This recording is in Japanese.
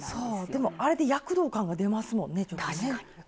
でもあれで躍動感が出ますもんねちょっとね。